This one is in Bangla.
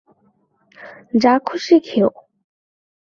যা খুশি খেও।